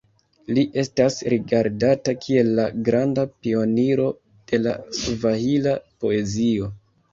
Li estas rigardata kiel la granda pioniro de la svahila poezio.